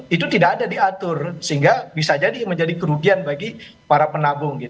itu tidak ada diatur sehingga bisa jadi menjadi kerugian bagi para penabung